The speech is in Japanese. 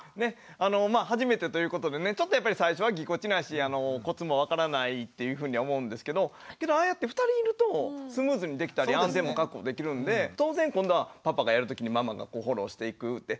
まあ初めてということでねちょっとやっぱり最初はぎこちないしコツも分からないというふうに思うんですけどけどああやって２人いるとスムーズにできたり安全も確保できるんで当然今度はパパがやる時にママがフォローしていくって。